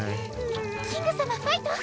キキング様ファイト！